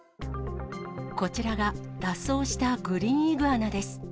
こちらが、脱走したグリーンイグアナです。